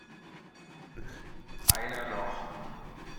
Einer noch!